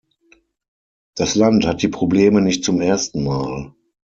Das Land hat die Probleme nicht zum ersten Mal.